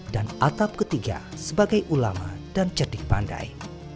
dan atap ketiga sebagai ulama dan cerdik pandai